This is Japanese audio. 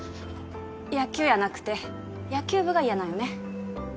野球やなくて野球部が嫌なんよね？